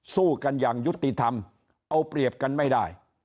สู้กันอย่างยุติธรรมเอาเปรียบกันไม่ได้